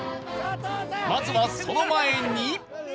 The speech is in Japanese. まずはその前に